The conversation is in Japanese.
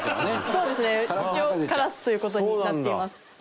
そうですね一応カラスという事になっています。